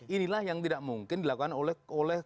inilah yang tidak mungkin dilakukan oleh